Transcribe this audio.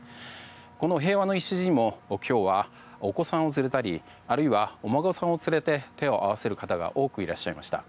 この平和の礎にも今日はお子さんを連れたりあるいは、お孫さんを連れて手を合わせる方が多くいらっしゃいました。